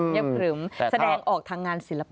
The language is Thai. เงียบขลึมแสดงออกทางงานศิลปะ